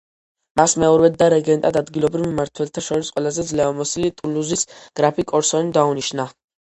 მას მეურვედ და რეგენტად ადგილობრივ მმართველთა შორის ყველაზე ძლევამოსილი, ტულუზის გრაფი კორსონი დაუნიშნა.